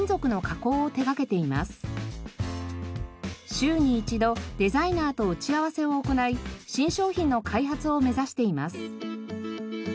週に一度デザイナーと打ち合わせを行い新商品の開発を目指しています。